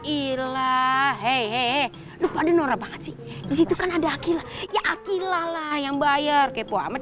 ilah eh lupa dengernya banget sih di situ kan ada akhil ya akhil ala yang bayar kepo amat